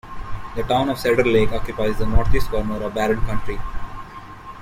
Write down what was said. The town of Cedar Lake occupies the northeast corner of Barron County.